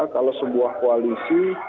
kalau sebuah koalisi